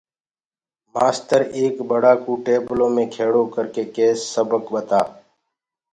مآستر ايڪ ٻڙآ ڪو ٽيبلو مي کِيڙو ڪرڪي ڪيس سبڪ ٻتآ